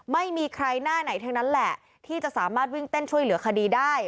ไม่มีใครหน้าไหนทั้งนั้นแหละที่จะสามารถวิ่งเต้นช่วยเหลือคดีได้